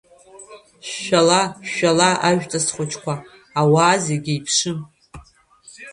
Шәшәала, шәшәала ажәҵыс хәыҷқәа, ауаа зегьы еиԥшым…